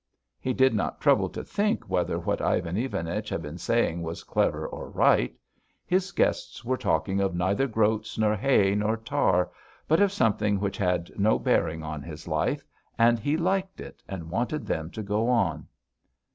He did not trouble to think whether what Ivan Ivanich had been saying was clever or right; his guests were talking of neither groats, nor hay, nor tar, but of something which had no bearing on his life, and he liked it and wanted them to go on....